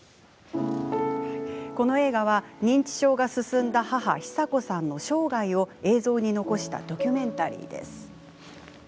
この映画は、認知症が進んだ母・ヒサ子さんの生涯を映像に残したドキュメンタリー。